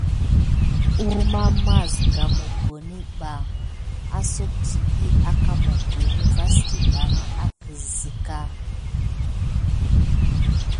Kurmama siga mokoni ba asoh dite diki aka mokoni vas ki bana ansiga.